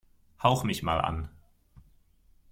Hauch mich mal an!